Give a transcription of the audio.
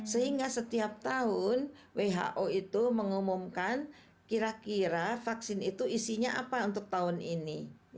sehingga setiap tahun who itu mengumumkan kira kira vaksin itu isinya apa untuk tahun ini